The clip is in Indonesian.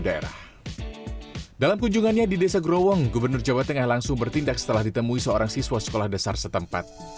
daerah dalam kunjungannya di desa growong gubernur jawa tengah langsung bertindak setelah ditemui seorang siswa sekolah dasar setempat